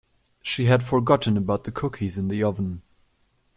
She had forgotten about the cookies in the oven.